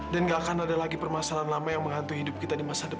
dan gak akan ada lagi permasalahan lama yang menghantui hidup kita di masa depan